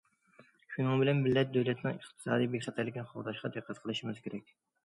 شۇنىڭ بىلەن بىللە، دۆلەتنىڭ ئىقتىسادىي بىخەتەرلىكىنى قوغداشقا دىققەت قىلىشىمىز كېرەك.